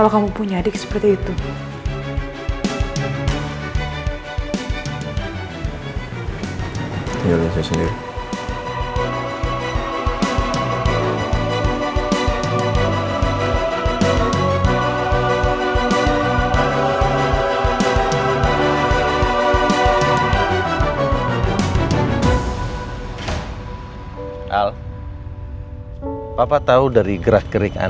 sampai jumpa di video selanjutnya